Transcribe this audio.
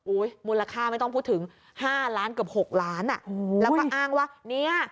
มูลค่าไม่ต้องพูดถึงห้าล้านเกือบหกล้านอ่ะอืมแล้วก็อ้างว่าเนี้ย